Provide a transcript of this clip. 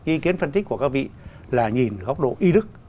ý kiến phân tích của các vị là nhìn góc độ y đức